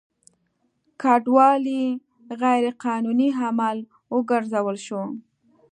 کډوالي غیر قانوني عمل وګرځول شو.